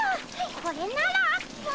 これなら。